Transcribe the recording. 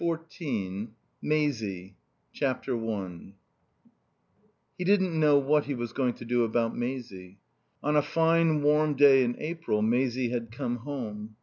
XIV MAISIE i He didn't know what he was going to do about Maisie. On a fine, warm day in April Maisie had come home.